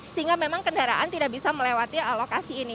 sehingga memang kendaraan tidak bisa melewati lokasi ini